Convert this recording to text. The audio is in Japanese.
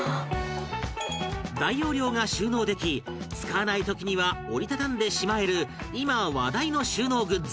大容量が収納でき使わない時には折り畳んでしまえる今話題の収納グッズ